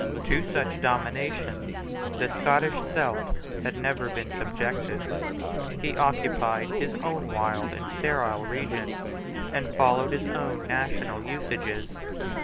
To such domination the Scottish Celt had never been subjected. He occupied his own wild and sterile region, and followed his own national usages.